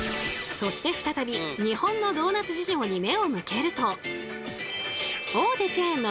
そして再び日本のドーナツ事情に目を向けると。